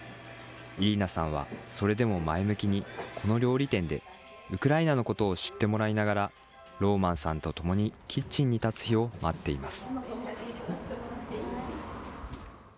イリーナさんは、それでも前向きに、この料理店で、ウクライナのことを知ってもらいながら、ローマンさんと共にキッチンに立つ日を待っています。